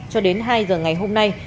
cho đến hai h ngày hôm nay